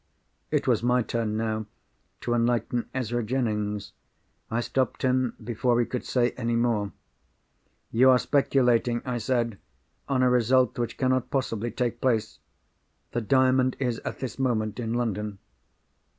It was my turn, now, to enlighten Ezra Jennings. I stopped him, before he could say any more. "You are speculating," I said, "on a result which cannot possibly take place. The Diamond is, at this moment, in London."